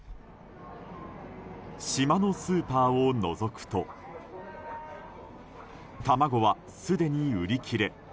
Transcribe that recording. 島のスーパーをのぞくと卵はすでに売り切れ。